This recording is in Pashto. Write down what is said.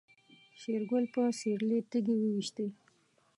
شېرګل په سيرلي تيږې وويشتې.